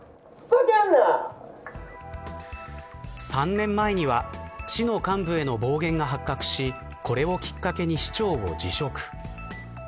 ３年前には市の幹部への暴言が発覚しこれをきっかけに市長を辞職。